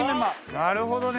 なるほどね！